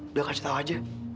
udah kasih tau aja